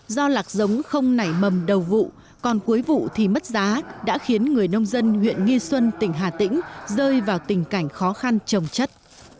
do lạc giống không nảy mầm đầu vụ còn cuối vụ thì mất giá đã khiến người nông dân huyện nghi xuân tỉnh hà tĩnh rơi vào tình cảnh khó khăn trồng chất